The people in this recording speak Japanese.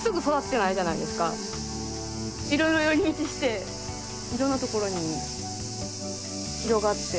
いろいろ寄り道していろんなところに広がって。